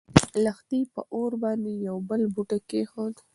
لښتې په اور باندې يو بل بوټی کېښود.